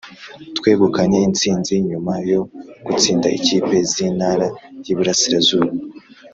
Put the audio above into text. Twegukanye intsinzi nyuma yo gutsinda ikipe z’Intara y’Iburasirazuba